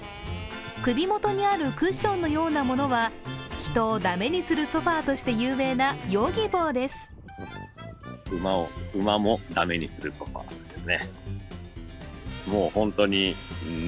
首元にあるクッションのようなものは「人をダメにするソファ」として有名なヨギボーです。